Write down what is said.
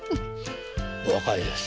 お若いです。